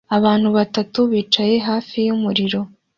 Abantu batanu bicaye hafi yumuriro